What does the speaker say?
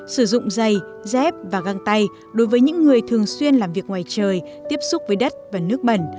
sử dụng dây dép và găng tay đối với những người thường xuyên làm việc ngoài trời tiếp xúc với đất và nước bẩn